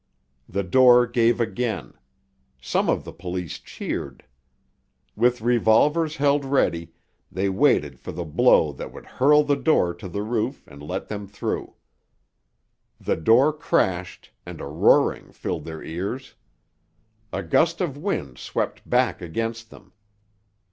The door gave again; some of the police cheered. With revolvers held ready, they waited for the blow that would hurl the door to the roof and let them through. The door crashed—and a roaring filled their ears. A gust of wind swept back against them.